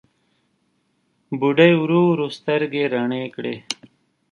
بوډۍ ورو ورو سترګې رڼې کړې.